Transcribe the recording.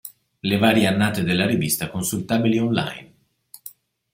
Le varie annate della rivista consultabili online